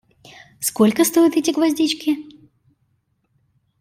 Сколько стоят эти гвоздички?